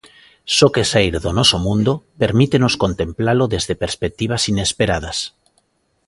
Só que saír do noso mundo permítenos contemplalo desde perspectivas inesperadas.